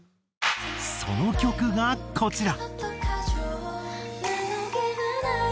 その曲がこちら。